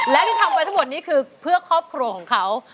และที่ทำไปทั้งหมดนี้คือเพื่อครอบครัวของเขา